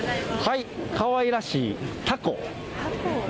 かわいらしいタコ。